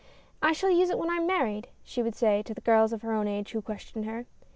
" I shall use it when I am married," she would say to the girls of her own age, who questioned her.